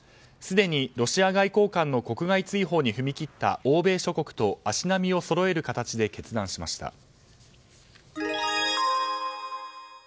すでにロシア外交官の国外追放に踏み切った欧米諸国と足並みをそろえる形で決断しました。